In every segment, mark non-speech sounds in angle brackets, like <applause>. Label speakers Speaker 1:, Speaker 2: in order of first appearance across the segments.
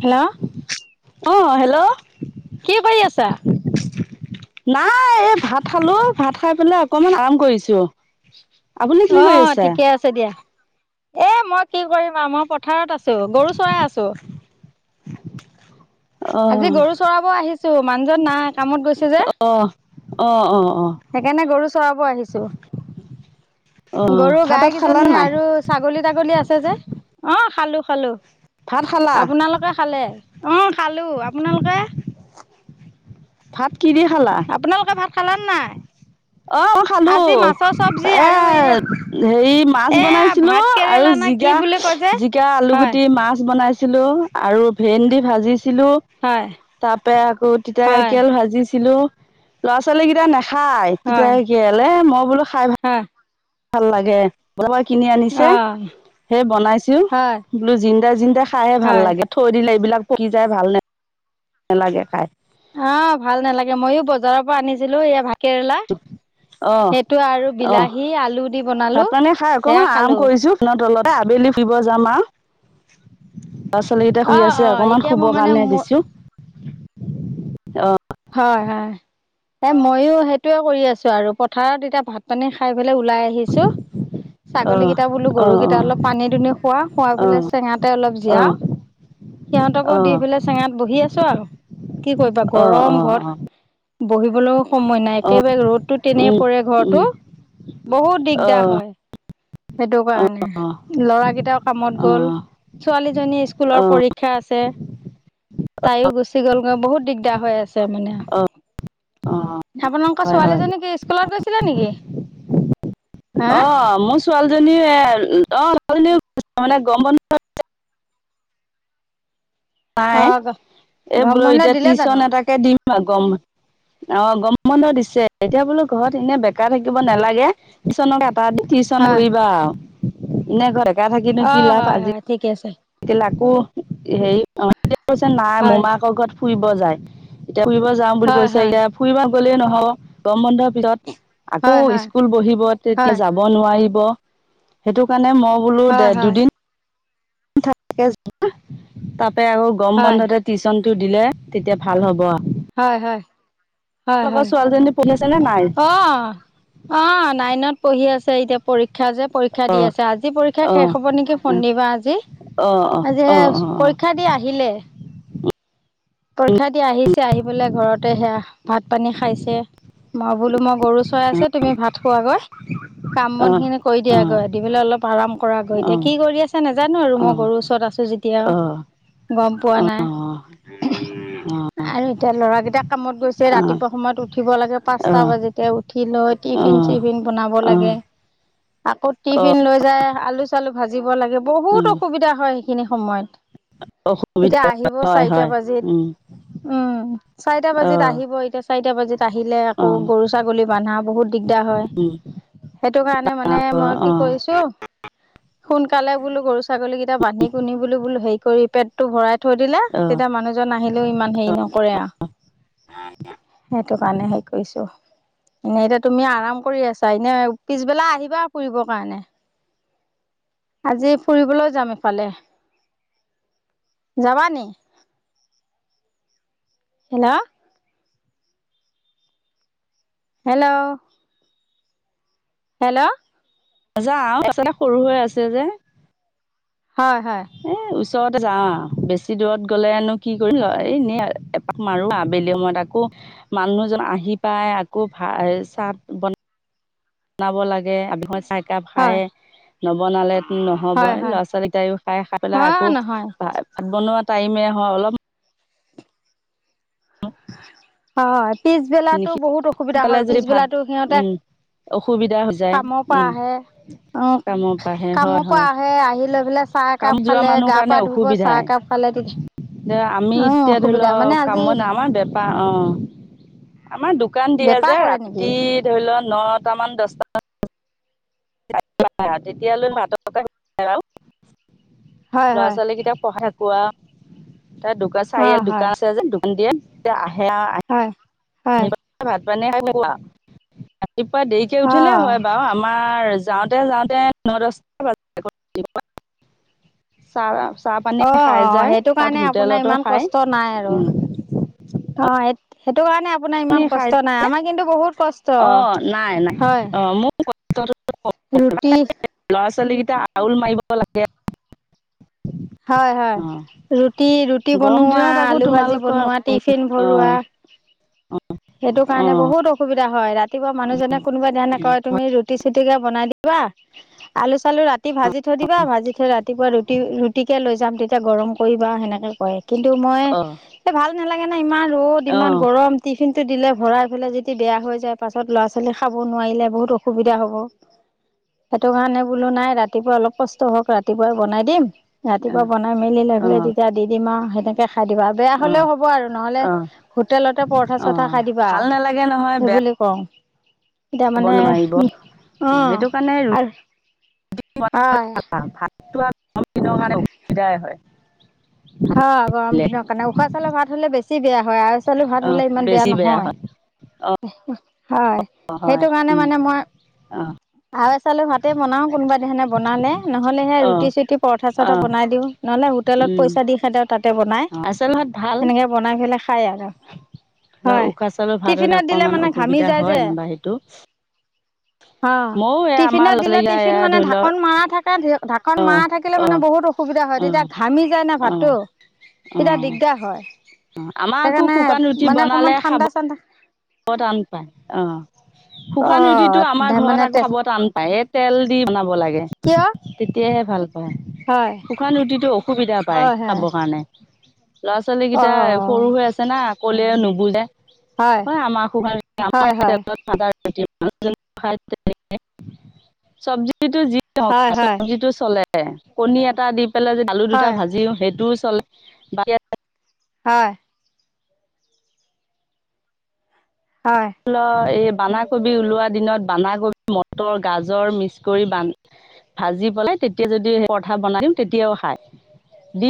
Speaker 1: Hello
Speaker 2: অ hello
Speaker 1: কি কৰি আছা?
Speaker 2: নাই এই ভাত খালো। ভাত খাই পেলাই অকনমান আৰাম কৰিছোঁ।
Speaker 1: অ, ঠিকে আছে দিয়া। এ মই কি কৰিম আৰু মই পথাৰত আছো, গৰু চৰাই আছো।
Speaker 2: অ
Speaker 1: আজি গৰু চৰাব আহিছো, মানুহজন নাই কামত গৈছে যে।
Speaker 2: অ-অ।
Speaker 1: সেইকাৰণে গৰু চৰাব আহিছোঁ।
Speaker 2: অ
Speaker 1: গৰু
Speaker 2: ভাত তাত খালা
Speaker 1: গাইকেইজনী
Speaker 2: নাই
Speaker 1: আৰু ছাগলী-তাগলী আছে যে। অঁহ। খালো-খালো।
Speaker 2: ভাত খালা
Speaker 1: আপোনালোকে খালে? অ খালো, আপোনালোকে?
Speaker 2: ভাত কি দি খালা?
Speaker 1: খালা নাই?
Speaker 2: অ খালো,
Speaker 1: আজি মাছৰ চব্জি
Speaker 2: এ
Speaker 1: আৰু এই
Speaker 2: হেৰি মাছ
Speaker 1: এয়া
Speaker 2: বনাইছিলো
Speaker 1: ভাত কেৰেলা
Speaker 2: আৰু
Speaker 1: নে কি
Speaker 2: জিকা,
Speaker 1: বুলি কয় যে
Speaker 2: জিকা,
Speaker 1: হয়
Speaker 2: আলুগুটি, মাছ বনাইছিলো আৰু ভেন্দি ভাজি ছিলো
Speaker 1: হয়
Speaker 2: তাৰ পৰা আকৌ
Speaker 1: হয়
Speaker 2: তিতাকেৰেলা ভাজিছিলো। ল'ৰা-ছোৱালীকেইটা নাখায় তিতাকেৰেলা এ মোক
Speaker 1: হা
Speaker 2: ভাল লাগে বজাৰ পৰা কিনি আনিছে।
Speaker 1: অ
Speaker 2: সেই বনাইছো
Speaker 1: হয়
Speaker 2: বোলো জিন্দা-জিন্দা খাইহে ভাল
Speaker 1: হয়
Speaker 2: লাগে থৈ দিলে এইবিলাক পকি যায় ভাল নালাগে খাই।
Speaker 1: অ ভাল নালাগে ময়ো বজাৰৰ পৰা আনিছিলো এইয়া ভাতকেৰেলা।
Speaker 2: অ! অ!
Speaker 1: দি বনালো
Speaker 2: ভাত-পানী খাই
Speaker 1: সেয়া
Speaker 2: অকনমান আৰাম
Speaker 1: খালো
Speaker 2: কৰিছোঁ ফেনৰ তলতে আজি আবেলি ফুৰিব যাম আও ল'ৰা-ছোৱালীকেইটা
Speaker 1: অ
Speaker 2: শুই আছে,
Speaker 1: অ
Speaker 2: অকনমান
Speaker 1: এতিয়া মোৰ
Speaker 2: শুবৰ
Speaker 1: মানে
Speaker 2: কাৰণে
Speaker 1: ম
Speaker 2: দিছো অঁ
Speaker 1: হয়-হয়। এ মইয়ো সেইটোৱেই কৰি আছো আৰু পথাৰত এতিয়া ভাত-পানী খাই পেলাই ওলাই আহিছোঁ।
Speaker 2: <inaudible>
Speaker 1: ছাগলীকেইটা বোলো,
Speaker 2: অ
Speaker 1: গৰুকেইটা অলপ পানী-দুনি খুৱাও, খুৱাই পেলাই চেঙাতে অলপ
Speaker 2: অ অ
Speaker 1: জিৰাও
Speaker 2: অ
Speaker 1: সিহঁতকো দি পেলাই, চেঙাত বহি আছো আও কি কৰিবা,
Speaker 2: অ
Speaker 1: গৰম ঘত
Speaker 2: অ
Speaker 1: বহিবলৈও সময় নাই,
Speaker 2: অ অ
Speaker 1: একেবাৰে ৰ'দতো তেনেই
Speaker 2: উম
Speaker 1: পৰে ঘৰটো
Speaker 2: উম
Speaker 1: বহুত
Speaker 2: অ
Speaker 1: দিগদাৰ হয়। সেইটো
Speaker 2: অ
Speaker 1: কাৰণে,
Speaker 2: অ
Speaker 1: ল'ৰাকেইটাও কামত
Speaker 2: অ
Speaker 1: গ'ল। ছোৱালীজনী স্কুলৰ পৰীক্ষা আছে। তাইও গুচি গ'লগৈ বহুত দিগদাৰ হৈ আছে মানে
Speaker 2: অ
Speaker 1: আপোনালোকৰ
Speaker 2: হয় হয়
Speaker 1: ছোৱালীজনী কি স্কুলত গৈছিলে নেকি হা
Speaker 2: অ মোৰ ছোৱালীজনী এ অ ছোৱালীজনী মানে গৰম বন্ধত নাই
Speaker 1: অ
Speaker 2: এই
Speaker 1: গৰম
Speaker 2: বোলো
Speaker 1: বন্ধ
Speaker 2: এতিয়া
Speaker 1: দিলে
Speaker 2: টিউশ্যন
Speaker 1: জানো
Speaker 2: এটাকে দিম আৰু গম অ গম বন্ধ দিছে এতিয়া বোলো ঘৰত এনে বেকাৰ থাকিব নালাগে টিউশ্যনকে ত টিউশ্যন
Speaker 1: হয়
Speaker 2: কৰিব আও এনে ঘৰ বেকা থাকিনো
Speaker 1: অ
Speaker 2: কি লাভ
Speaker 1: হয়
Speaker 2: আজি
Speaker 1: হয় ঠিকে আছে
Speaker 2: তাকো হেৰি কৈছে নাই
Speaker 1: হয়
Speaker 2: মোমায়েকৰ ঘৰত ফুৰিব যায় এতিয়া ফুৰিব যাওঁ বুলি
Speaker 1: হয়
Speaker 2: কৈছে
Speaker 1: হয়
Speaker 2: এতিয়া ফুৰিব গ'লেই নহব গম বন্ধ পিছত আকৌ
Speaker 1: হয় হয়
Speaker 2: স্কুল বহিব তেতিয়া
Speaker 1: হয়
Speaker 2: যাব নোৱাৰিব সেইটো কাৰ ণে মানে মই বোলো
Speaker 1: হয়
Speaker 2: দে
Speaker 1: হয়
Speaker 2: দুদিন তাৰাপে আকৌ গম
Speaker 1: হয়
Speaker 2: বন্ধতে টিউশ্যন টো দিলে তেতিয়া ভাল হ'ব আ
Speaker 1: হয় হয় হয় হয়
Speaker 2: ছোৱালীজনী পঢ়ি আছে নে নাই
Speaker 1: অ অ নাইনত পঢ়ি আছো এতিয়া পৰীক্ষা যে পৰীক্ষা দি
Speaker 2: অ
Speaker 1: আছে আজি পৰীক্ষা শেষ হব নেকি শনিবা আজি আজিহে পৰীক্ষা দি আহিলে পৰীক্ষা দি আহিছে আহি পেলাই ঘৰতে সেয়া ভাত পানী খাইছে মই বোলো মই গৰু চৰাইছো তুমি ভাত খোৱাগৈ কাম বন খিনি কৰি দিয়াগৈ দি পেলাই অলপ আৰাম কৰাগৈ এতিয়া কি কৰি আছে নেজানো আৰু মই গৰুৰ ওচৰত আছো যেতিয়া গম পোৱা নাই
Speaker 2: অ
Speaker 1: আৰু এতিয়া ল'ৰাকেইটাক কামত গৈছে ৰাতিপুৱা সময়ত উঠিব লাগে পাঁচটা বাজিতে উঠি লৈ টিফিন চিফিন বনাব লাগে আকৌ টিফিন লৈ যায় আলু চালু ভাজিব লাগে
Speaker 2: অ,
Speaker 1: বহুত অসুবিধা হয় সেইখিনি সময়ত।
Speaker 2: অসুবিধা
Speaker 1: এতিয়া আহিব
Speaker 2: হয় হয়
Speaker 1: চাৰিটা বাজিল
Speaker 2: উম
Speaker 1: উম চাৰিটা
Speaker 2: অ
Speaker 1: বাজিত আহিব এতিয়া চাৰিটা বাজিত আহিলে
Speaker 2: অ
Speaker 1: আকৌ গৰু ছাগলী বন্ধা বহুত দিগদাৰ হয়
Speaker 2: উম
Speaker 1: সেইটো কাৰণে মানে
Speaker 2: তাৰপৰা
Speaker 1: মই কি
Speaker 2: অ
Speaker 1: কৰিছো সোনকালে বোলো গৰু ছাগলী কেইটা বান্ধি কুনি বো বোলো হেৰি কৰি পেটতো ভৰাই থৈ দিলে
Speaker 2: অ
Speaker 1: তেতিয়া মানুহজন আহিলেও ইমান হেৰি নকৰে আৰু সেইটো কাৰণে হেৰি কৰিছোঁ। এনেই এতিয়া তুমি আৰাম কৰি আছা এনে পিছবেলা আহিবা ফুৰিব কাৰণে। আজি ফুৰিবলৈ যাম ইফালে যাবা নি‌? হেল্ল' হেল্ল' হেল্ল'
Speaker 2: যা আচতে সৰু হৈ আছে যে
Speaker 1: হয় হয়
Speaker 2: এ ওচৰতে যা বেছি দূৰত গ'লে আনো কি কৰিম এনেই মাৰো আবেলি সময়ত আকৌ মানুহজন আহি পাই আকৌ ভাত চাহ বনাই বনাব লাগে আবেলি সময়ত চাহকাপ খায়
Speaker 1: হয়
Speaker 2: নবনালে।
Speaker 1: হয়
Speaker 2: নহ'বই ল'ৰা
Speaker 1: হয়
Speaker 2: ছোৱালীকটাইো খাই খাই পেলাই
Speaker 1: অ
Speaker 2: আকৌ
Speaker 1: নহয়
Speaker 2: ভাত ভাত বনোৱা টাইমে হয় অলপ।
Speaker 1: হয় পিছবেলাতো
Speaker 2: সোনকালে
Speaker 1: বহুত অসুবিধা হয়
Speaker 2: যদি ভাত
Speaker 1: পিছবেলাতো সিহঁতে <unintelligible>
Speaker 2: উম অসুবিধা হৈ যায়
Speaker 1: কামৰ পৰা
Speaker 2: উম
Speaker 1: আহে অ
Speaker 2: কামৰ পৰাহে হয়
Speaker 1: কামৰ পৰা
Speaker 2: হয়
Speaker 1: আহে আহি লৈ পেলাই চাহ
Speaker 2: কাম
Speaker 1: একাপ
Speaker 2: যোৱা
Speaker 1: খালে
Speaker 2: মানুহ
Speaker 1: গা
Speaker 2: কাৰণে
Speaker 1: পা ধুব চাহ
Speaker 2: অসুবিধাই
Speaker 1: একাপ পালে দি
Speaker 2: আমি এতিয়া ধৰি লও কাম নাই আমাৰ ব পা অ আমাৰ দোকান দিয়া
Speaker 1: বেপাৰ
Speaker 2: যে
Speaker 1: কৰে নেকি
Speaker 2: ৰাতি ধৰি লোৱা ন টান মান দস্ত তেতিয়ালৈ ভাতৰ
Speaker 1: হয় হয়
Speaker 2: ল'ৰা-ছোৱালী কেইটাক পঢ়াই পুৱা তাৰ দোকান
Speaker 1: অ
Speaker 2: চাৰিআলি
Speaker 1: হয়
Speaker 2: দোকান আছে যে দোকান দিয়ে, তেওঁ আহে আৰু আহি
Speaker 1: হয় হয়
Speaker 2: ভাত পানী খাই পুৱা, ৰাতিপুৱা দেৰিকে
Speaker 1: অ
Speaker 2: উঠিলে হয় বাৰু আমাৰ যাওঁতে-যাওঁতে, ন-দহটা বাজি যাব চাৰে
Speaker 1: অ', -অ' সেইটো কাৰণে আপোনাৰ ইমান
Speaker 2: খাই
Speaker 1: কষ্ট নাই আৰু অ' সেইটো কাৰণে আপোনাৰ ইমান
Speaker 2: খাই
Speaker 1: কষ্ট নাই আমাৰ কিন্তু বহুত কষ্ট
Speaker 2: অ নাই নাই
Speaker 1: হয়।
Speaker 2: অ মোৰ
Speaker 1: ৰুটি
Speaker 2: ল'ৰা- ছোৱালীকেইটা আউল মাৰিব লাগে। অ
Speaker 1: হয়-হয়। ৰুটি-ৰুটি
Speaker 2: গৰম
Speaker 1: বনোৱা,
Speaker 2: দিনত আকৌ
Speaker 1: আলু ভাজি
Speaker 2: তোমালোকৰ
Speaker 1: বনোৱা, টিফিন
Speaker 2: অ
Speaker 1: ভৰোৱা সেইটো
Speaker 2: অ
Speaker 1: কাৰণে বহুত অসুবিধা হয়, ৰাতিপুৱা মানুহজনে কোনোবা দিনা কয় তুমি ৰুটি-চুটি কে বনাই দিবা, আলু-চালু ৰাতি ভাজি থৈ দিবা, ভাজি থৈ ৰাতিপুৱা ৰুটি-ৰুটি লৈ যাম তেতিয়া গৰম কৰিবা সেনেকে কয় কিন্তু মই
Speaker 2: অ অ
Speaker 1: ভাল নালাগে ন ইমান ৰ'দ,
Speaker 2: অ
Speaker 1: ইমান গৰম টি টিফিনটো দিলে ভৰাই পেলাই যদি বেয়া হৈ যায়, পাছত ল'ৰা ছোৱালী খাব নোৱাৰিলে বহুত অসুবিধা হ'ব। সেইটো কাৰণে বোলো নাই ৰাতিপুৱা অলপ কষ্ট হওঁক ৰাতিপুৱাই বনাই দিম। ৰাতিপুৱা বনাই মেলি লৈ
Speaker 2: অ
Speaker 1: ফেলে তেতিয়া দি দিম আৰু সেনেকে খাই দিবা আৰু বেয়া
Speaker 2: অ
Speaker 1: হ'লেও হ'ব আৰু নহ'লে
Speaker 2: অ
Speaker 1: হোটেলতে পৰঠা -চৰঠা
Speaker 2: অ
Speaker 1: চৰঠা খাই দিবা
Speaker 2: ভাল
Speaker 1: আৰু
Speaker 2: নালাগে নহয় বেয়া
Speaker 1: সেইবুলি কওঁ এতিয়া
Speaker 2: খাব
Speaker 1: মানে
Speaker 2: নোৱাৰিব
Speaker 1: অ'
Speaker 2: সেইটো কাৰণে ৰুটি
Speaker 1: আৰু হয়।
Speaker 2: বনাও গৰম দিনৰ কাৰণে অসুবিধাই হয়।
Speaker 1: অ' গৰম দিনৰ কাৰণে উখোৱা চাউৰ ভাত হ'লে বেছি বেয়া। হয় আউল চাউলৰ ভাত
Speaker 2: অ'
Speaker 1: হ'লে ইমান বেয়া
Speaker 2: বেছি
Speaker 1: নহয়।
Speaker 2: হয়
Speaker 1: হয়,
Speaker 2: অ'
Speaker 1: সেইটো
Speaker 2: হয়
Speaker 1: কাৰণে
Speaker 2: উম
Speaker 1: মানে মই
Speaker 2: অ'
Speaker 1: আৰু চাউলৰ ভাতে বনাও, কোনোবা দিনা বনালে নহ'লে সে
Speaker 2: অ'
Speaker 1: ৰুটি-চুটি, পৰঠা-চৰঠা
Speaker 2: অ'
Speaker 1: বনাই দিও নহ'লে হোটেলত পইচা
Speaker 2: উম
Speaker 1: পইচা দি খাইদিও আৰু তাতে বনাই,
Speaker 2: আচল ভাত ভাল
Speaker 1: সেনেকে বনাই পেলাই খায় আৰু হয়,
Speaker 2: উশাহ চোশাহ ভাল হ'লে
Speaker 1: টিফিনত দিলে
Speaker 2: অকণমান
Speaker 1: মানে ঘামি
Speaker 2: অসুবিধা
Speaker 1: যায়
Speaker 2: হয়
Speaker 1: যে
Speaker 2: যেনিবা সেইটো
Speaker 1: অ'
Speaker 2: ময়ো এই আমাৰ
Speaker 1: টিফিনত
Speaker 2: ল'ৰা
Speaker 1: দিলে,
Speaker 2: ছোৱালীকেইটা
Speaker 1: টিফিন
Speaker 2: এয়া
Speaker 1: মানে
Speaker 2: ধৰি লওক
Speaker 1: ঢাকন মৰা থাকে ঢাকোন ধাকন মাৰা থাকিলে মানে
Speaker 2: অ'
Speaker 1: বহুত অসুবিধা হয়, তেতিয়া
Speaker 2: অ'
Speaker 1: ঘামি যায় না ভাতটো
Speaker 2: অ'
Speaker 1: এতিয়া
Speaker 2: অ'
Speaker 1: দিগদাৰ হয়,
Speaker 2: আমাৰ আকৌ
Speaker 1: সেইকাৰণে
Speaker 2: শুকান ৰুটি
Speaker 1: মানে
Speaker 2: বনালে
Speaker 1: অকমান ঠাণ্ডা-চাণ্ডা
Speaker 2: খাব টান পায় অ' শুকান ৰুটিটো আমাৰ
Speaker 1: অ
Speaker 2: ঘৰত
Speaker 1: মানে
Speaker 2: আকৌ
Speaker 1: তে
Speaker 2: খাব টান পায়, এই তেল দি বনাব লাগে।
Speaker 1: কিয়
Speaker 2: তেতিয়াহে ভাল হয়
Speaker 1: হয়
Speaker 2: শুকান ৰুটিতো অসুবিধা পায়
Speaker 1: হয় হয়
Speaker 2: খাবৰ কাৰণে ল'ৰা-ছোৱালী
Speaker 1: অ
Speaker 2: কেইটা সৰু হৈ আছে না, ক'লে নুবুজে যে হয়, আমাৰ সু
Speaker 1: হয় হয়
Speaker 2: <unintelligible> যোনটো খাই তেনেকে, চবজিটো যি হক
Speaker 1: হয় হয়
Speaker 2: চবজিটো চলে। কণী এটা দি পেলাই যে আলু দুটা
Speaker 1: হয়
Speaker 2: ভাজিও সেইটোও চলে, ইয়াতে
Speaker 1: হয়। হয়
Speaker 2: ল' এই বান্ধাকবি ওলোৱা দিনত বান্ধাকবি, মটৰ, গাজৰ মিক্স কৰি বান ভাজি পেলাই তেতিয়া যদি পৰঠা বনাই দিও তেতিয়াও খায়।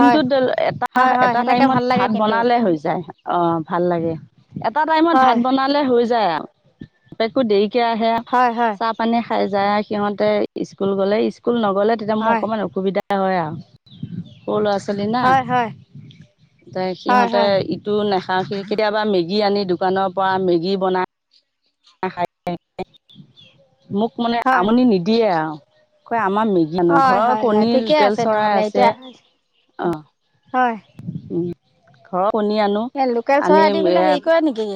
Speaker 1: হয়
Speaker 2: এটা,
Speaker 1: হয় হয়
Speaker 2: এটা
Speaker 1: সেনেকে
Speaker 2: টাইমত
Speaker 1: ভাল লাগে
Speaker 2: ভাত
Speaker 1: কিন্তু
Speaker 2: বনালে হৈ যায় অ' ভাল লাগে। এটা টাইমত ভাত
Speaker 1: হয়
Speaker 2: বনালে হৈ যায় আৰু একো দেৰিকে আহে
Speaker 1: হয় হয়
Speaker 2: চাহ-পানী খাই যায় সিহঁতে স্কুল গ'লে স্কুল, নগ'লে তেতিয়া মোৰ
Speaker 1: হয়
Speaker 2: অকণমান অসুবিধা হয় আ ওঁ, সৰু ল'ৰা-ছোৱালী ল'ৰা -ছোৱলি না
Speaker 1: হয় হয়
Speaker 2: এ
Speaker 1: হয়
Speaker 2: সিহঁতে
Speaker 1: হয়
Speaker 2: ইটো নেখা কেতিয়াবা মেগী আনি দোকানৰ পৰা মেগী বনাই মোক মানে
Speaker 1: হয়
Speaker 2: আমনি নিদিয়ে আওঁ আমাৰ মেগী আনো,
Speaker 1: হয়
Speaker 2: ঘৰৰ
Speaker 1: হয় হয়
Speaker 2: কণী
Speaker 1: ঠিকে
Speaker 2: লোকেল
Speaker 1: আছে
Speaker 2: চৰাই
Speaker 1: নহ'লে
Speaker 2: আছে।
Speaker 1: এতিয়া
Speaker 2: অঁ,
Speaker 1: হয়
Speaker 2: উম ঘৰত। কণী আনো
Speaker 1: এই লোকেল
Speaker 2: আনি
Speaker 1: চৰাই দি পেলাই
Speaker 2: এয়াত
Speaker 1: হেৰি কৰে নেকি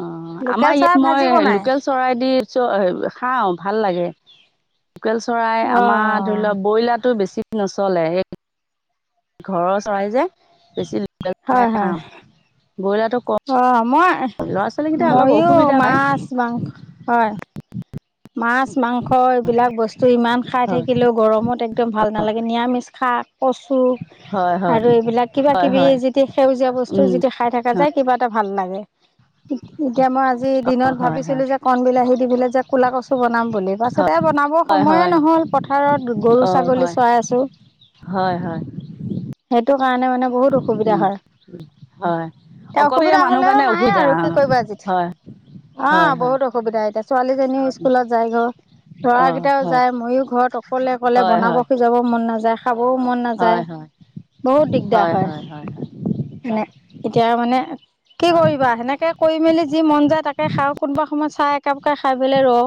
Speaker 2: অঁ,
Speaker 1: লোকেল
Speaker 2: আমাৰ
Speaker 1: চৰাই
Speaker 2: ইয়াত
Speaker 1: ভাজি
Speaker 2: মই
Speaker 1: বনাই
Speaker 2: লোকেল চৰাই দি চ- এ -অঁ, খাওঁ ভাল লাগে। লোকেল চৰাই
Speaker 1: অ
Speaker 2: আমাৰ ধৰি লোৱা ব্ৰইলাৰতটো বেছি নচলে সেই ঘৰৰ চৰাই যে, বেছি
Speaker 1: হ'য় হ'য়।
Speaker 2: খাওঁ ব্ৰইলাৰটো কম
Speaker 1: অঁ মই,
Speaker 2: ল'ৰা ছোৱালীকেইটা অলপ
Speaker 1: ময়ো
Speaker 2: অসুবিধা পায়
Speaker 1: মাছ- মাংস হ'য়। মাছ- মাংস হ'য়, এইবিলাক বস্তু ইমান খাই
Speaker 2: হয়
Speaker 1: থাকিলেও গৰমত একদম ভাল নালাগে। নিৰামিষ শাক, কচু
Speaker 2: হয় হয়
Speaker 1: আৰু এইবিলাক কিবা
Speaker 2: হয়
Speaker 1: কিবি
Speaker 2: হয়
Speaker 1: যি টি সেউজীয়া বস্তু
Speaker 2: হয়
Speaker 1: যেতিয়া খাই থাকা
Speaker 2: হয়
Speaker 1: যায় কিবা এটা ভাল লাগে। এতিয়া মই আজি দিনত
Speaker 2: হয়
Speaker 1: ভাবিছিলো
Speaker 2: হয়
Speaker 1: যে কন বিলাহী দি পেলে যে কলা কচু বনাম বুলি
Speaker 2: হয়
Speaker 1: পাছতে বনাব
Speaker 2: হয়
Speaker 1: সময়ে
Speaker 2: হয়
Speaker 1: নহল পথাৰত গৰু,
Speaker 2: অ
Speaker 1: ছাগলী
Speaker 2: হয়
Speaker 1: চৱাই আছো।
Speaker 2: হ'য়, হ'য়।
Speaker 1: সেইটো কাৰণে মানে বহুত অসুবিধা
Speaker 2: উম
Speaker 1: হ'য়।
Speaker 2: হয়
Speaker 1: এতিয়া
Speaker 2: অকলশৰীয়া
Speaker 1: অসুবিধা
Speaker 2: মানুহ
Speaker 1: হ'লেও
Speaker 2: কাৰণে
Speaker 1: নাই
Speaker 2: অসুবিধা
Speaker 1: আৰু
Speaker 2: অ
Speaker 1: কি কৰিবা অজিত
Speaker 2: হয়
Speaker 1: অঁ
Speaker 2: হয় হয়
Speaker 1: বহুত অসুবিধা এতিয়া ছোৱালীজনীও স্কুলত যায় গৈ।
Speaker 2: অ
Speaker 1: ল'ৰাকেইটাও
Speaker 2: হয়
Speaker 1: যায়। ময়ো ঘৰত অকলে, অকলে
Speaker 2: হয়
Speaker 1: বনাব
Speaker 2: হয়
Speaker 1: সিজাব মন নাযায়। খাবও মন নাযায়।
Speaker 2: হয় হয়
Speaker 1: বহুত দিগদাৰ হ'য় মানে। এতিয়া মানে, কি
Speaker 2: হয় হয়
Speaker 1: কৰিবা? সেনেকে কৰি মেলি যি মন যায় তাকে খাওঁ। কোনোবা সময়ত চাহ একাপ কে খাই পেলায় ৰওঁ।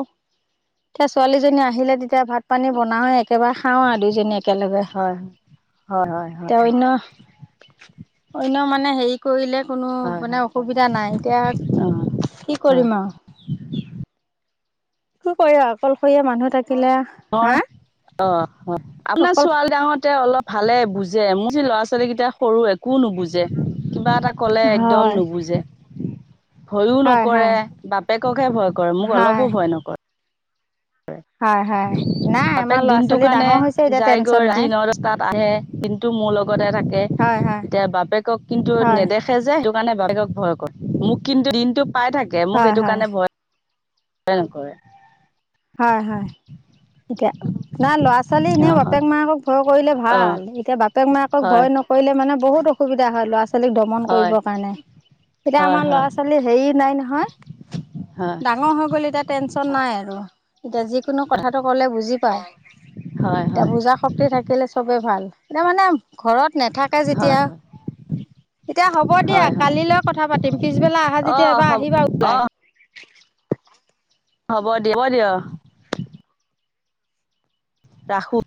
Speaker 1: এতিয়া ছোৱালীজনী আহিলে তেতিয়া ভাত পানী বনাও য়ে। এবাৰ খাওঁ আও দুইজনী একেলগে।
Speaker 2: হয় হয় হয়
Speaker 1: এতিয়া অন্য
Speaker 2: <unintelligible>
Speaker 1: অন্য মানে হেৰি কৰিলে কোনো
Speaker 2: হয়
Speaker 1: মানে
Speaker 2: হয়
Speaker 1: অসুবিধা নাই। এতিয়া
Speaker 2: অ
Speaker 1: কি
Speaker 2: হয়
Speaker 1: কৰিম আও। কি কৰিবা অকলশৰীয়া মানুহ থাক
Speaker 2: নৰ অঁ, অঁ আপোনাৰ
Speaker 1: অকল
Speaker 2: ছোৱালী ডাঙতে অলপ ভালে বুজে মোৰ যে, ল'ৰা- ছোৱালী কেইটা সৰু এ একো নুবুজে। কিবা এটা ক'লে একদম
Speaker 1: হয়
Speaker 2: নুবুজে। ভয়ো
Speaker 1: হয়
Speaker 2: নকৰে।
Speaker 1: হয়।
Speaker 2: বাপেককহে ভয় কৰে, মোক
Speaker 1: হয়
Speaker 2: অলপো ভয় নকৰে। হ'য়।
Speaker 1: হয় নাই আমাৰ
Speaker 2: বাপেক
Speaker 1: ল'ৰা
Speaker 2: দিনটো
Speaker 1: ছোৱালী ডাঙৰ হৈছে
Speaker 2: কাৰণে
Speaker 1: এতিয়া টেনচন
Speaker 2: যায়গৈ।
Speaker 1: নাই।
Speaker 2: ৰাতি ন দছ তাত আহে দিনটো মোল লগতে থাকে।
Speaker 1: হয় হয়
Speaker 2: এতিয়া বাপেকক কিন্তু
Speaker 1: হয়
Speaker 2: নেদেখে যে, সেইটো কাৰণে বাপেকক ভয় কৰে। মোক কিন্তু দিনটো পাই থাকে। মোক
Speaker 1: হয়
Speaker 2: সেইটো
Speaker 1: হয়
Speaker 2: কাৰণে ভয় ভয় নকৰে।
Speaker 1: হ'য়, হ'য়। এতিয়া, নাই ল'ৰা- ছোৱালী
Speaker 2: অ
Speaker 1: এনেও
Speaker 2: হয়
Speaker 1: বাপেক- মাকক ভয় কৰিলে
Speaker 2: অ
Speaker 1: ভাল। এতিয়া বাপেক মাকক
Speaker 2: হয়
Speaker 1: ভয় ন্‌ নকৰিলে মানে বহুত অসুবিধা হ'য় ল'ৰা ছোৱালীক দমন কৰিব
Speaker 2: হয়
Speaker 1: কাৰণে। এতিয়া আমাৰ
Speaker 2: হয়
Speaker 1: ল'ৰা
Speaker 2: হয়
Speaker 1: -ছোৱালী হেৰি নাই নহয়। হ'য়,
Speaker 2: হয়
Speaker 1: ডাঙৰ হৈ গ'ল এতিয়া টেনচন নাই আৰু। এতিয়া যিকোনো কথাটো ক'লে বুজি পায়।
Speaker 2: হয়
Speaker 1: এতিয়া
Speaker 2: হয়
Speaker 1: বুজা শক্তি থাকিলে চবে ভাল। এতিয়া মানে, ঘৰত নাথাকে
Speaker 2: হয়
Speaker 1: যেতিয়া এতিয়া হ'ব
Speaker 2: হয়
Speaker 1: দিয়া।
Speaker 2: হয় হয়
Speaker 1: কালিলৈ কথা পাতিম। পিছবেলা আহা
Speaker 2: অ
Speaker 1: যদি এবাৰ
Speaker 2: হ'ব
Speaker 1: আহিবা ওলাই।
Speaker 2: <unintelligible> হ'ব। দিব দিয়া। ৰাখো।